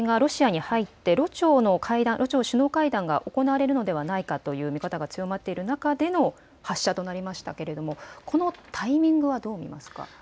キム総書記がロシアに入ってロ朝首脳会談が行われるのではないかという見方が強まっていた中での発射となりましたけれどこのタイミングはどう見ますか。